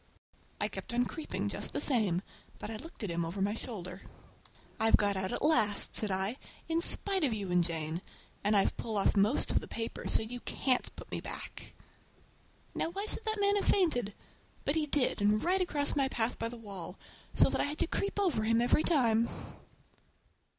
I kept on creeping just the same, but I looked at him over my shoulder. "I've got out at last," said I, "in spite of you and Jane! And I've pulled off most of the paper, so you can't put me back!" Now why should that man have fainted? But he did, and right across my path by the wall, so that I had to creep over him every time!